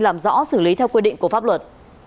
làm rõ xử lý theo quy định của pháp luật